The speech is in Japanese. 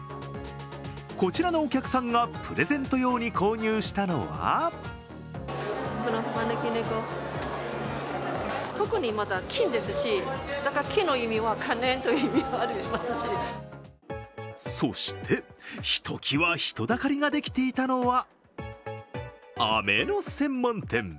こちらのお客さんがプレゼント用に購入したのはそして、ひときわ人だかりができていたのは、あめの専門店。